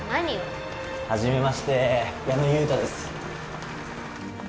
初めまして矢野悠太です。